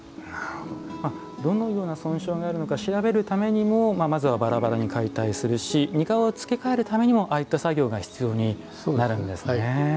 どのような損傷があるのか調べるためにもまずはバラバラに解体するしニカワを付け替えるためにもああいった作業が必要になるんですね。